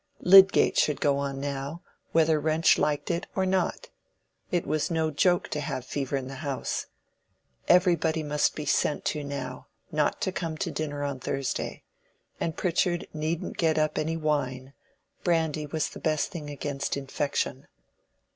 Lydgate should go on now, whether Wrench liked it or not. It was no joke to have fever in the house. Everybody must be sent to now, not to come to dinner on Thursday. And Pritchard needn't get up any wine: brandy was the best thing against infection.